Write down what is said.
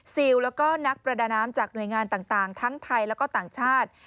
ซิลแล้วก็นักประดาน้ำจากหน่วยงานต่างทั้งไทยแล้วก็ต่างชาติ